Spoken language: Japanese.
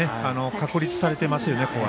確立されていますよね。